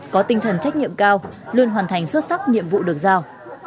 có tinh thần trách nhiệm cao luôn hoàn thành xuất sắc nhiệm vụ được giao